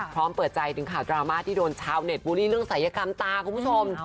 พร้อมเปิดใจถึงข่าวดราม่าที่โดนชาวเน็ตบูลลี่เรื่องศัยกรรมตาคุณผู้ชม